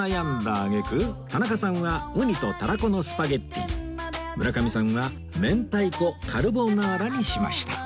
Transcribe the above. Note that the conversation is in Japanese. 揚げ句田中さんはうにとたらこのスパゲティ村上さんは明太子カルボナーラにしました